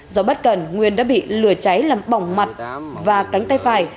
do bất cẩn nguyên đã bị lửa cháy làm bỏng mặt và cánh tay phải